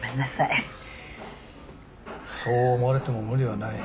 そう思われても無理はない。